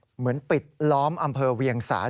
เหมือนปิดล้อมอำเภอเวียงสาธิ์